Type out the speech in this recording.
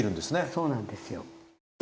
そうなんですよ。